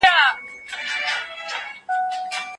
څنګه شین چای زموږ اعصابو ته ارامتیا بخښي؟